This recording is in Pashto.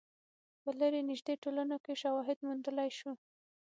په لرې نژدې ټولنو کې شواهد موندلای شو.